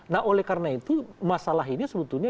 nah oleh karena itu masalah ini sebetulnya